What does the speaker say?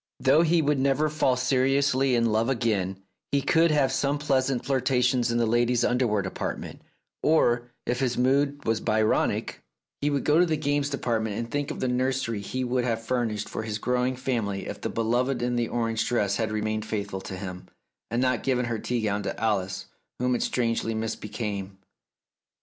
Though he would never fall seriously in love again, he could have some pleasant flirtations in the ladies' underwear department, or, if his mood was Byronic, he would go to the games department and think of the nursery he would have furnished for his growing family if the beloved in the orange dress had remained faithful to him, and not given her tea gown to Alice, whom it strangely misbecame.